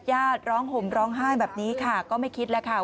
ญาติร้องห่มร้องไห้แบบนี้ค่ะก็ไม่คิดแล้วค่ะ